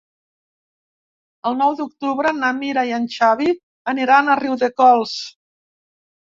El nou d'octubre na Mira i en Xavi aniran a Riudecols.